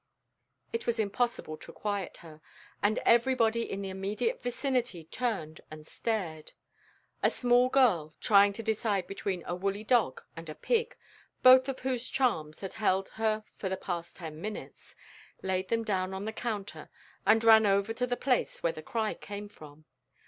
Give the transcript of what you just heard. It was impossible to quiet her, and everybody in the immediate vicinity turned and stared. A small girl, trying to decide between a woolly dog and a pig, both of whose charms had held her for the past ten minutes, laid them down on the counter and ran over to the place where the cry came from.